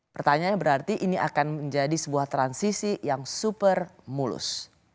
pertanyaannya berarti ini akan menjadi sebuah transisi yang super mulus